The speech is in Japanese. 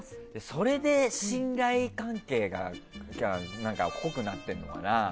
それで信頼関係が濃くなってるのかな。